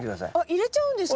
入れちゃうんですか？